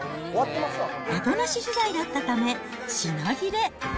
アポなし取材だったため品切れ。